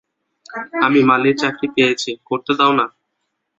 আমি মালীর চাকরি পেয়েছি, করতে দাও না?